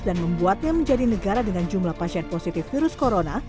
dan membuatnya menjadi negara dengan jumlah pasien positif virus corona